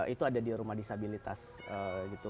itu ada di rumah disabilitas gitu